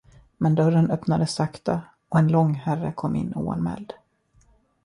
Men dörren öppnades sakta, och en lång herre kom in oanmäld.